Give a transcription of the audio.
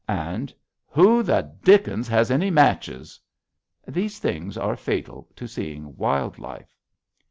and "Who the dickens has any matches?" these things are fatal to seeing wild life.